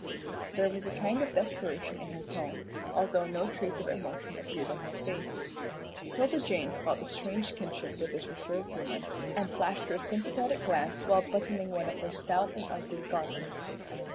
There was a kind of desperation in her tone, although no trace of emotion appeared on her face. 'Tilda Jane felt a strange kinship with this reserved woman, and flashed her a sympathetic glance while buttoning one of her stout and ugly garments.